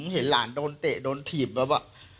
เห็นหลานโดนเตะโดนถีบแล้วแบบ